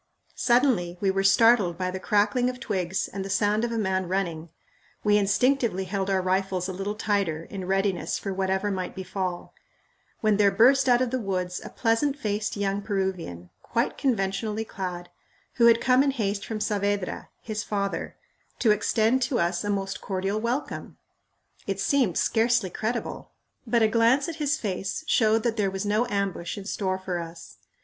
Suddenly, we were startled by the crackling of twigs and the sound of a man running. We instinctively held our rifles a little tighter in readiness for whatever might befall when there burst out of the woods a pleasant faced young Peruvian, quite conventionally clad, who had come in haste from Saavedra, his father, to extend to us a most cordial welcome! It seemed scarcely credible, but a glance at his face showed that there was no ambush in store for us.